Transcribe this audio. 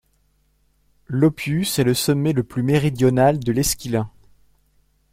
L'Oppius est le sommet le plus méridional de l'Esquilin.